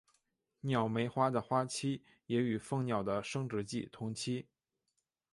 鸟媒花的花期也与蜂鸟的生殖季同期。